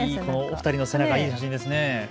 お二人の背中、いい写真ですね。